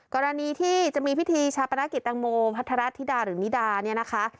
กรณีที่จะมีพิธีชาปนกิจแตงโมพัทรธิดาหรือนิดาเนี่ยนะคะ